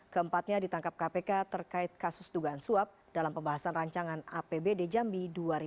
keempatnya ditangkap kpk terkait kasus dugaan suap dalam pembahasan rancangan apbd jambi dua ribu dua puluh